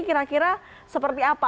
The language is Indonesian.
kira kira seperti apa